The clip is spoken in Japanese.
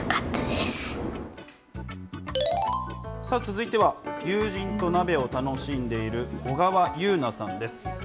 さあ、続いては友人と鍋を楽しんでいる、小川優奈さんです。